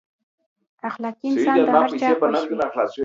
اخلاقي انسان د هر چا خوښ وي.